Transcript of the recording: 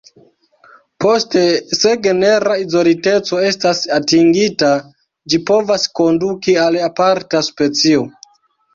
Poste, se genera izoliteco estas atingita, ĝi povas konduki al aparta specio.